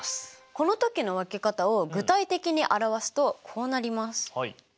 この時の分け方を具体的に表すとこうなります。